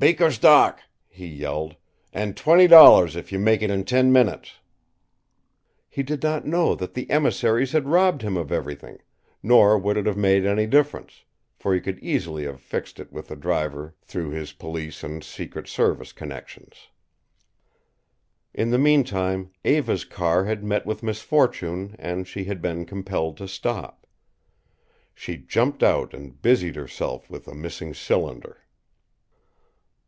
"Baker's dock!" he yelled. "And twenty dollars if you make it in ten minutes." He did not know that the emissaries had robbed him of everything, nor would it have made any difference, for he could easily have fixed it with the driver through his police and Secret Service connections. In the mean time Eva's car had met with misfortune, and she had been compelled to stop. She jumped out and busied herself with a missing cylinder.